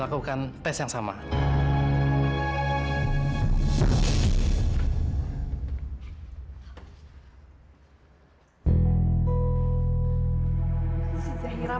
aku bisa nemuin zahira